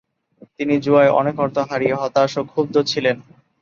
তিনি জুয়ায় অনেক অর্থ হারিয়ে হতাশ ও ক্ষুব্ধ ছিলেন।